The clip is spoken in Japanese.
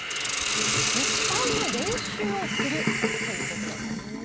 失敗の練習をするということなんです。